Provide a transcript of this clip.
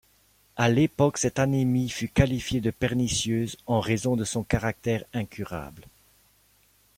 À l'époque cette anémie fut qualifiée de pernicieuse en raison de son caractère incurable.